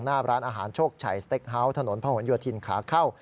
หน้าร้านอาหารโชคชัยสเต็กเฮาส์ถนนพระหลโยธินขาเข้า